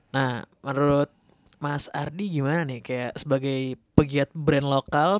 nah menurut mas ardi gimana nih kayak sebagai pegiat brand lokal